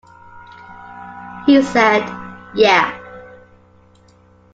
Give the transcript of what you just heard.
He said 'yeah.